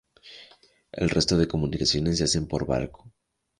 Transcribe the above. El resto de comunicaciones se hacen por barco.